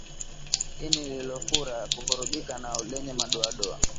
Ini lililofura kuvurugika na lenye madoadoa